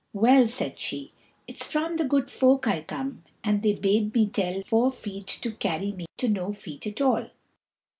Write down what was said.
"Well," said she, "it's from the Good Folk I come, and they bade me tell Four Feet to carry me to No Feet at all."